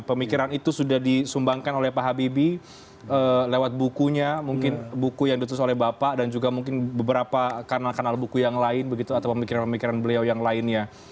pemikiran itu sudah disumbangkan oleh pak habibie lewat bukunya mungkin buku yang ditulis oleh bapak dan juga mungkin beberapa kanal kanal buku yang lain begitu atau pemikiran pemikiran beliau yang lainnya